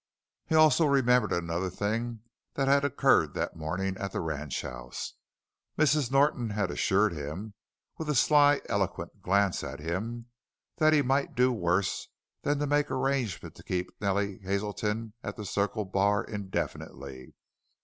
He also remembered another thing that had occurred that morning at the ranch house. Mrs. Norton had assured him with a sly, eloquent glance at him that he might do worse than to make arrangements to keep Nellie Hazelton at the Circle Bar indefinitely.